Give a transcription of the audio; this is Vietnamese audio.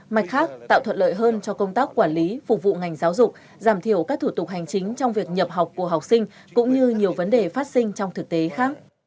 mặt khác tạo thuận lợi hơn cho công tác quản lý phục vụ ngành giáo dục giảm thiểu các thủ tục hành chính trong việc nhập học của học sinh cũng như nhiều vấn đề phát sinh trong thực tế khác